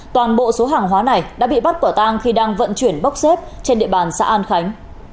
toàn bộ số hàng hóa này đã bị bắt quả tang khi đang vận chuyển bốc xếp trên địa bàn xã an khánh